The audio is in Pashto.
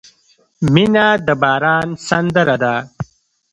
• مینه د باران سندره ده.